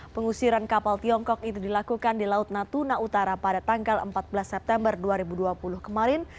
pengusiran kapal tiongkok itu dilakukan di laut natuna utara pada tanggal empat belas september dua ribu dua puluh kemarin